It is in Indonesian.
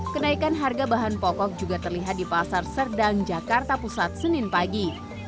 kenaikan harga bahan pokok juga terlihat di pasar serdang jakarta pusat senin pagi